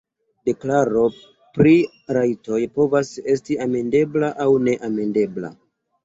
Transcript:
Deklaro pri rajtoj povas esti "amendebla" aŭ "neamendebla".